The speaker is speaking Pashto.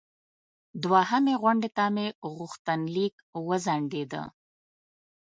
دوهمې غونډې ته مې غوښتنلیک وځنډیده.